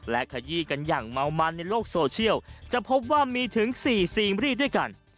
ขยี้กันอย่างเมามันในโลกโซเชียลจะพบว่ามีถึง๔ซีรีส์ด้วยกัน